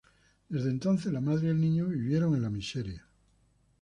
Desde entonces, la madre y el niño, vivieron en la miseria.